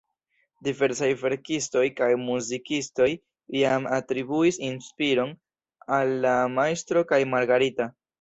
Diversaj verkistoj kaj muzikistoj jam atribuis inspiron al "La Majstro kaj Margarita".